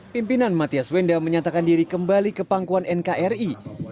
pimpinan mathias wenda menyatakan diri kembali ke pangkuan nkri